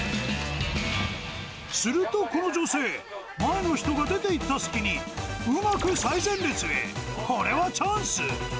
するとこの女性、前の人が出ていった隙に、うまく最前列へ。